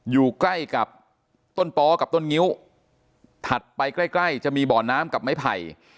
อยู่ใกล้กับต้นป๊กับต้นงิ้วถัดไปใกล้ใกล้จะมีบ่อน้ำกับไม้ไผ่